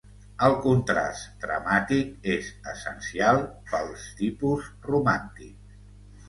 El contrast dramàtic és essencial pels tipus romàntics.